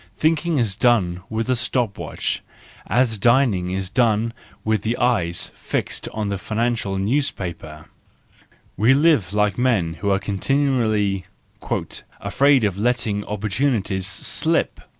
Thinking is done with a stop watch, as dining is done with the eyes fixed on the financial newspaper; we live like men who are continually " afraid of letting opportunities slip."